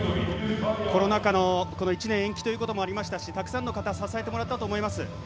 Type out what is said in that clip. コロナ禍の１年延期ということもありましたしたくさんの方支えてもらったと思います。